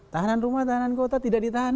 tahanan rumah tahanan kota tidak ditahan